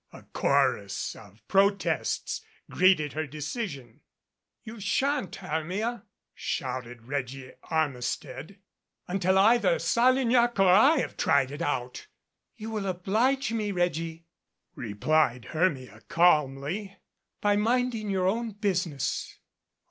A chorus of protests greeted her decision. "You shan't, Hermia," shouted Reggie Armistead, "until cither Salignac or I have tried it out." "You will oblige me, Reggie," replied Hermia calmly, "by minding your own business."